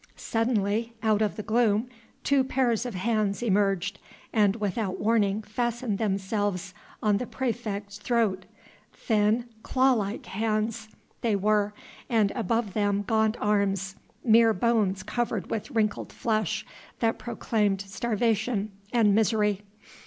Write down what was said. Suddenly, out of the gloom, two pairs of hands emerged, and without warning fastened themselves on the praefect's throat: thin, claw like hands they were, and above them gaunt arms, mere bones covered with wrinkled flesh that proclaimed starvation and misery.